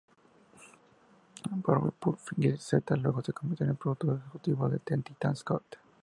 Powerpuff Girls Z. Luego se convirtió en el productor ejecutivo de Teen Titans Go!